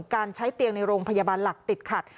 การใช้เตียงในโรงพยาบาลหลักติดขัด